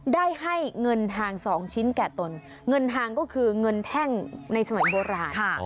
ได้ให้เงินทางสองชิ้นแก่ตนเงินทางก็คือเงินแท่งในสมัยโบราณ